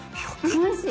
おいしい。